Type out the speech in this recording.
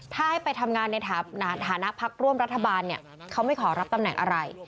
ถ้าให้ไปทำงานในฐานะพักร่วมรัฐบาลเนี่ยเขาไม่ขอรับตำแหน่งอะไร